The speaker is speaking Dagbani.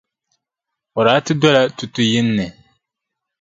O daa ti dola tutuʼ yini ni.